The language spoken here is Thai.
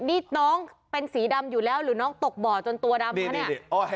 นี่น้องเป็นสีดำอยู่แล้วหรือน้องตกบ่อจนตัวดำคะเนี่ย